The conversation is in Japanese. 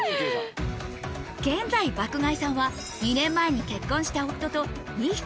現在爆買いさんは２年前に結婚した